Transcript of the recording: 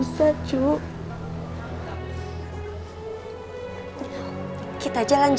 karantina sesuat cu